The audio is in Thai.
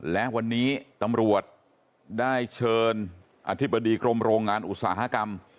และวันนี้ตำรวจได้เชิญอธิบดีกรมโรงงานอุตสาหกรรม